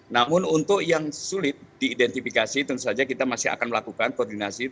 namun untuk yang sulit diidentifikasi tentu saja kita masih akan melakukan koordinasi